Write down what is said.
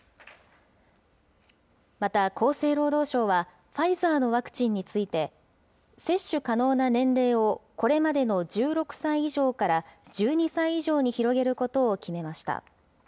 また、厚生労働省は、ファイザーのワクチンについて、接種可能な年齢を、これまでの１６歳以上から１２歳以上に広げることを決めました。